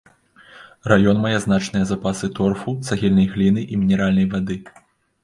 Раён мае значныя запасы торфу, цагельнай гліны і мінеральнай вады.